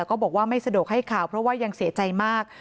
ก็บอกว่าไม่สะดวกให้ข่าวเพราะว่ายังเสียใจมาก